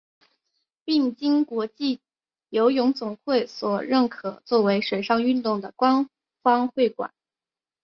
并经国际游泳总会所认可作为水上运动的官方会馆。